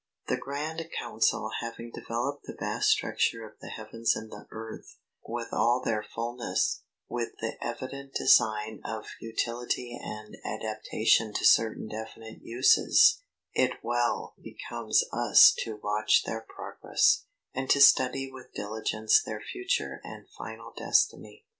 The Grand Council having developed the vast structure of the heavens and the earth, with all their fulness, with the evident design of utility and adaptation to certain definite uses, it well becomes us to watch their progress, and to study with diligence their future and final destiny.